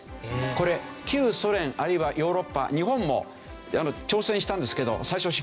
これ旧ソ連あるいはヨーロッパ日本も挑戦したんですけど最初失敗してるんですよ。